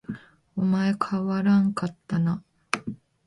お前変わらんかったな